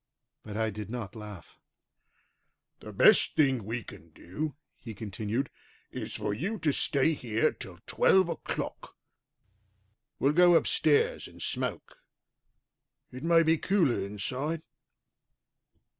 But I did not laugh. "The best thing we can do," he continued, "is for you to stay here till twelve o'clock. We'll go upstairs and smoke; it may be cooler inside."